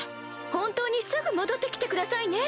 本当にすぐ戻って来てくださいね！